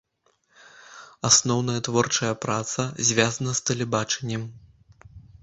Асноўная творчая праца звязана з тэлебачаннем.